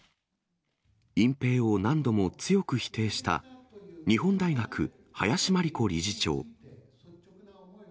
隠蔽を何度も強く否定した、日本大学、林真理子理事長。